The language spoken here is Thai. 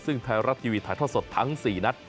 ซึ่งไทยรัฐทีวีถ่ายทอดสดทั้ง๔นัด